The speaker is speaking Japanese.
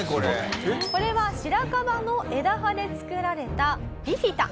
これは白樺の枝葉で作られたヴィヒタ。